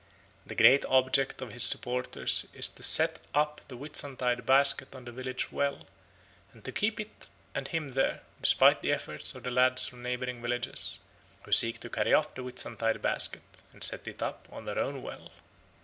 The great object of his supporters is to set up the Whitsuntide Basket on the village well, and to keep it and him there, despite the efforts of the lads from neighbouring villages, who seek to carry off the Whitsuntide Basket and set it up on their own well.